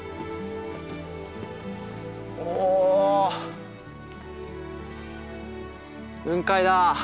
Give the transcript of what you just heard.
お雲海だ！